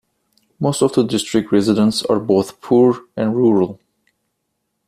Most of the district residents are both poor and rural.